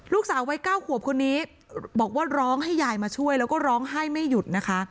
ลูกสาววัย๙ขวบคนนี้บอกว่าร้องให้ยายมาช่วยแล้วก็ร้องไห้ไม่หยุดนะคะ